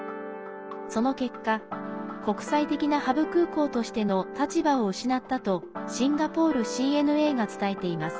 その結果、国際的なハブ空港としての立場を失ったとシンガポールＣＮＡが伝えています。